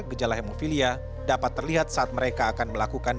gejala hemofilia dapat terlihat saat mereka akan melakukan